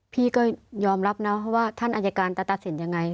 พี่ก็ยอมรับนะเพราะว่าท่านอายการจะตัดสินยังไง